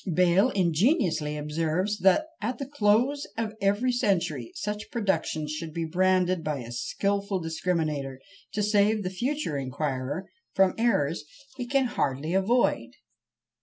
Bayle ingeniously observes, that at the close of every century such productions should be branded by a skilful discriminator, to save the future inquirer from errors he can hardly avoid.